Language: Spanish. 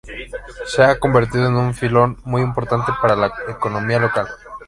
Se ha convertido en un filón muy importante para la economía local.